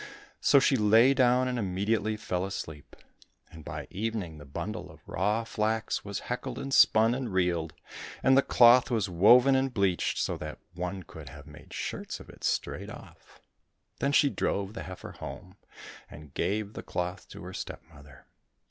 — So she lay down and immediately fell asleep. And by evening the bundle of raw flax was heckled and spun and reeled, and the cloth was woven and bleached, so that one could have made shirts of it straight off. Then she drove the heifer home, and gave the cloth to her stepmother.